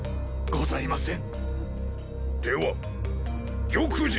ございません。